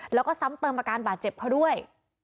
แล้วก็ซ้ำเติมอาการบาดเจ็บเขาด้วย